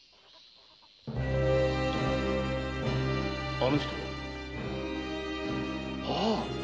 あの人は？ああ！